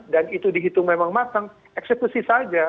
dan itu dihitung memang matang eksekusi saja